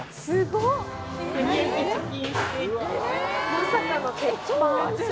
まさかの鉄板。